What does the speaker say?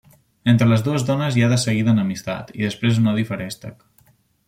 Entre les dues dones, hi ha de seguida enemistat, i després un odi feréstec.